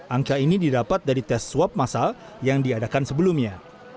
angka ini didapat dari tes swab masal yang diadakan sebelumnya